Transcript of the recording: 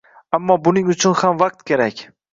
Ammo buning uchun ham vaqt kerak